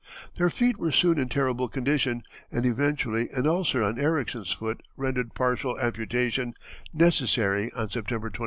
Their feet were soon in terrible condition, and eventually an ulcer on Ericksen's foot rendered partial amputation necessary on September 29th.